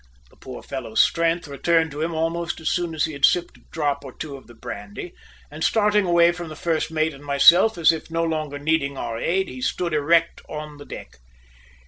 The poor fellow's strength returned to him almost as soon as he had sipped a drop or two of the brandy, and, starting away from the first mate and myself, as if no longer needing our aid, he stood erect on the deck.